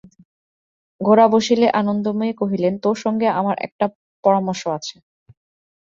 গোরা বসিলে আনন্দময়ী কহিলেন, তোর সঙ্গে আমার একটা পরামর্শ আছে।